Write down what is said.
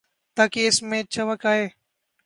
تاکہ اس میں چمک آئے۔